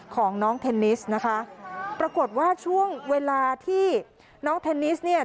ของน้องเทนนิสนะคะปรากฏว่าช่วงเวลาที่น้องเทนนิสเนี่ย